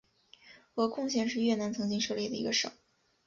鹅贡省是越南曾经设立的一个省。